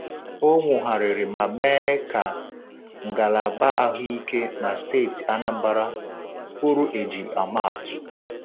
O nwògharịrị ma mee ka ngalaba ahụike na steeti Anambra bụrụ eji ama atụ